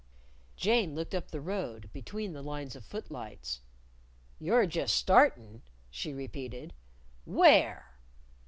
Jane looked up the road, between the lines of footlights. "You're just startin'," she repeated. "Where?"